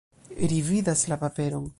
Ri vidas la paperon.